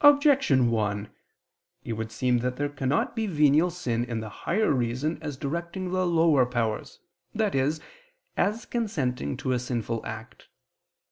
Objection 1: It would seem that there cannot be venial sin in the higher reason as directing the lower powers, i.e. as consenting to a sinful act.